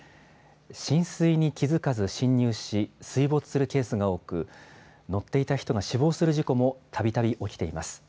浸水に気付かず進入し、水没するケースが多く、乗っていた人が死亡するケースもたびたび起きています。